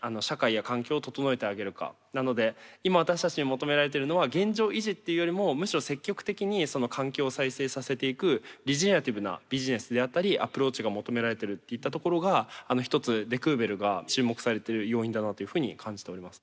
なので今私たちに求められてるのは現状維持っていうよりもむしろ積極的にその環境を再生させていくリジェネラティブなビジネスであったりアプローチが求められてるっていったところがひとつデ・クーベルが注目されている要因だなというふうに感じております。